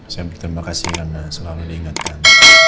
saya berterima kasih karena selalu diingatkan